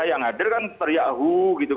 yang hadir kan teriahu gitu